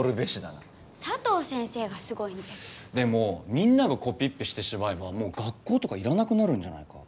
でもみんながコピッペしてしまえばもう学校とかいらなくなるんじゃないか？